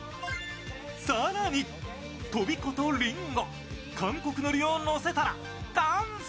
更に、とびことりんご、韓国のりをのせたら完成